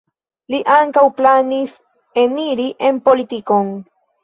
Li ankaŭ planis eniri en politikon.